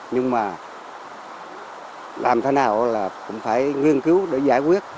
nhưng mà làm thế nào là cũng phải nghiên cứu để giải quyết